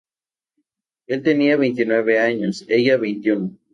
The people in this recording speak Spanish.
Él tenía veintinueve años, ella veintiuno.